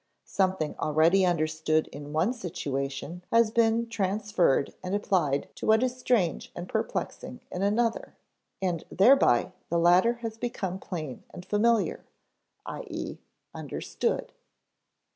Something already understood in one situation has been transferred and applied to what is strange and perplexing in another, and thereby the latter has become plain and familiar, i.e. understood.